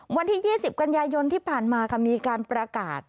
วันที่๒๐กันยายนที่ผ่านมาค่ะมีการประกาศ